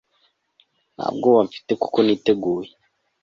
nta bwoba mfite kuko niteguye